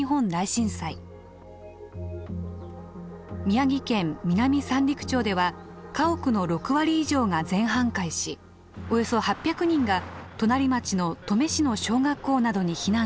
宮城県南三陸町では家屋の６割以上が全半壊しおよそ８００人が隣町の登米市の小学校などに避難しました。